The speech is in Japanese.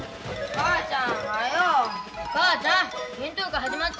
お母ちゃん